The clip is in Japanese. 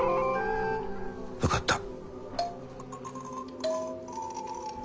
分かった。